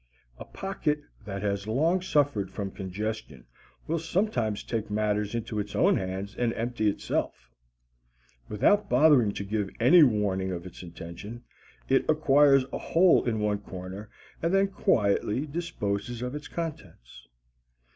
A pocket that has long suffered from congestion will sometimes take matters into its own hands and empty itself. Without bothering to give any warning of its intention, it acquires a hole in one corner and then quietly disposes of its contents.